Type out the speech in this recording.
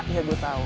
iya gue tau